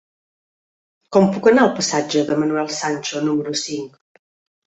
Com puc anar al passatge de Manuel Sancho número cinc?